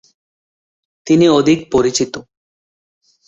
তিনি অধিক পরিচিত।